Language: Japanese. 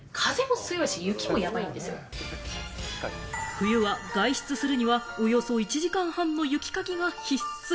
冬は外出するにはおよそ１時間半の雪かきが必須。